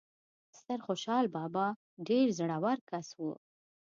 ستر خوشال بابا ډیر زړه ور کس وو